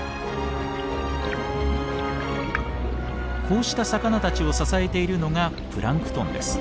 こうした魚たちを支えているのがプランクトンです。